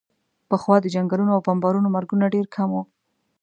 پخوا د جنګونو او بمبارونو مرګونه ډېر کم وو.